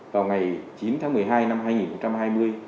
vào ngày chín tháng một mươi hai năm hai nghìn hai mươi